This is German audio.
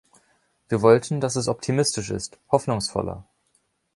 Wir wollten, dass es optimistisch ist, hoffnungsvoller.